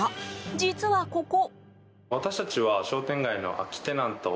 実は、ここ。